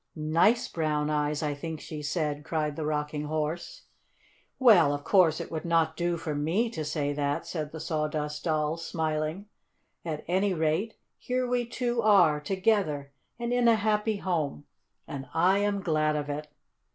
"Nice brown eyes, I think she said," cried the Rocking Horse. "Well, of course it would not do for me to say that," said the Sawdust Doll, smiling. "At any rate, here we two are, together, and in a happy home, and I am glad of it."